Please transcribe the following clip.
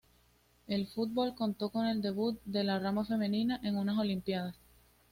El fútbol contó con el debut de la rama femenina en unas olimpiadas.